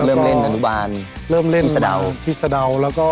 เริ่มเล่นอนุบาลที่สะดาว